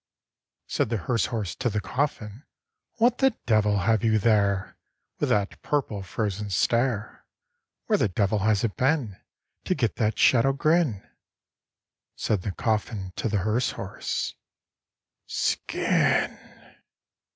Said the hearse horse to the coffin, "What the devil have you there, With that purple frozen stare? Where the devil has it been To get that shadow grin?" Said the coffin to the hearse horse, "Skin!"